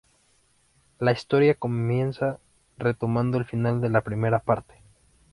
La historia comienza retomando el final de la primera parte.